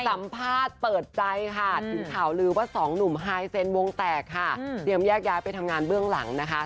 สัมภาษณ์เปิดใจค่ะถึงข่าวลือว่าสองหนุ่มไฮเซ็นวงแตกค่ะเตรียมแยกย้ายไปทำงานเบื้องหลังนะคะ